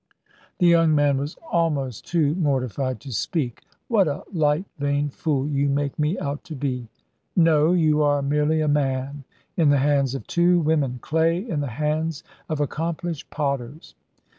The young man was almost too mortified to speak. "What a light, vain fool you make me out to be!" "No. You are merely a man in the hands of two women clay in the hands of accomplished potters.